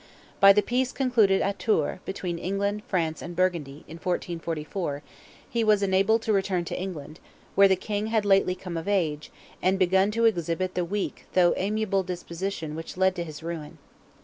By the peace concluded at Tours, between England, France, and Burgundy, in 1444, he was enabled to return to England, where the King had lately come of age, and begun to exhibit the weak though amiable disposition which led to his ruin.